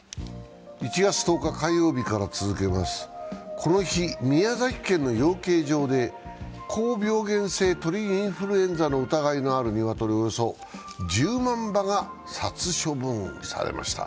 この日、宮崎県の養鶏場で高病原性鳥インフルエンザの疑いのある鶏、およそ１０万羽が殺処分されました。